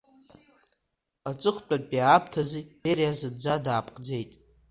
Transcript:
Аҵыхәтәантәи аамҭазы Бериа зынӡа даапкӡеит.